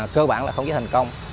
cơ bản là khống chế thành công